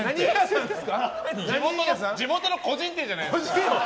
地元の個人店じゃないですか？